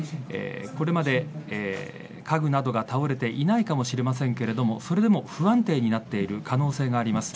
これまで、家具などが倒れていないかもしれませんがそれでも不安定になっている可能性があります。